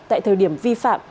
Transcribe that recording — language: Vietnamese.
tại thời điểm vi phạm